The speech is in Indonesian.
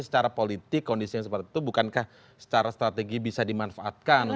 jadi kondisi seperti itu bukankah secara strategi bisa dimanfaatkan